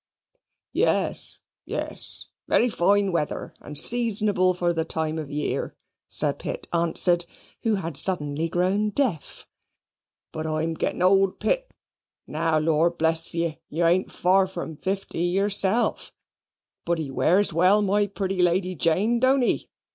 "Yees, yees, very fine weather, and seasonable for the time of year," Sir Pitt answered, who had suddenly grown deaf. "But I'm gittin' old, Pitt, now. Law bless you, you ain't far from fifty yourself. But he wears well, my pretty Lady Jane, don't he?